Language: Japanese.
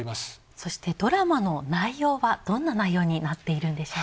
そしてドラマの内容はどんな内容になっているんでしょうか？